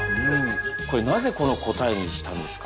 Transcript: これなぜこの答えにしたんですか？